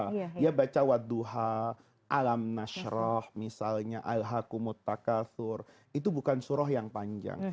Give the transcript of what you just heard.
oh gitu ya iya baca wat duha alam nashroh misalnya al haqumut takathur itu bukan surah yang panjang